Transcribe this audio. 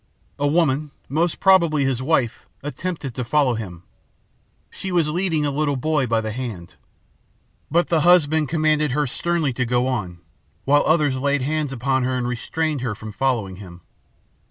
A woman, most probably his wife, attempted to follow him. She was leading a little boy by the hand. But the husband commanded her sternly to go on, while others laid hands on her and restrained her from following him.